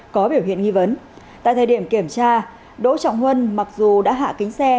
có biểu hiện nghi vấn tại thời điểm kiểm tra đỗ trọng huân mặc dù đã hạ kính xe